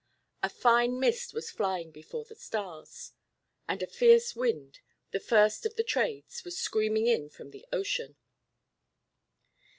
A fine mist was flying before the stars; and a fierce wind, the first of the trades, was screaming in from the ocean.